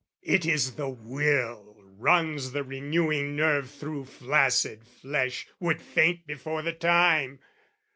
It is the will runs the renewing nerve Through flaccid flesh, would faint before the time.